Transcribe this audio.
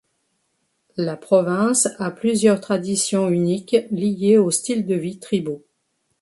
La province a plusieurs traditions uniques liées aux styles de vie tribaux.